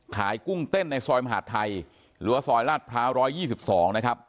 กุ้งเต้นในซอยมหาดไทยหรือว่าซอยลาดพร้าว๑๒๒นะครับ